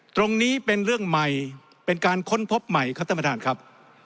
ตรงนี้เป็นเรื่องใหม่เป็นการค้นพบใหม่ครับท่านประธานครับ